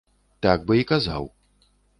Так бы і казаў.